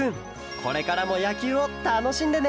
これからもやきゅうをたのしんでね！